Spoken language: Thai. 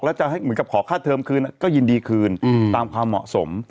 แล้วจะให้เหมือนกับขอค่าเทอมคืนก็ยินดีคืนตามความเหมาะสม